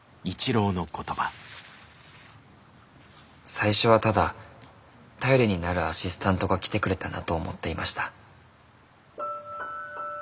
「最初はただ頼りになるアシスタントが来てくれたなと思っていました」。